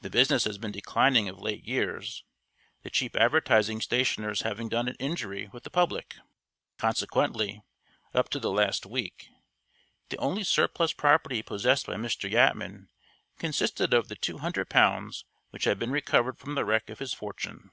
The business has been declining of late years, the cheap advertising stationers having done it injury with the public. Consequently, up to the last week, the only surplus property possessed by Mr. Yatman consisted of the two hundred pounds which had been recovered from the wreck of his fortune.